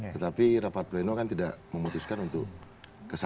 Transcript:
tetapi rapat pleno kan tidak memutuskan untuk kesana